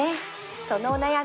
そのお悩み